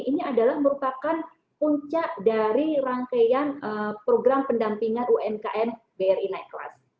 ini adalah merupakan puncak dari rangkaian program pendampingan umkm bri naik kelas